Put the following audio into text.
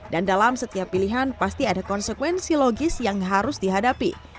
dan dalam setiap pilihan pasti ada konsekuensi logis yang harus dihadapi